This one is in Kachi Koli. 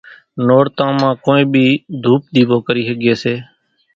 نورتان مان ڪونئين ٻي ڌُوپ ۮيوو ڪري ۿڳي سي